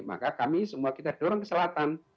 maka kami semua kita dorong ke selatan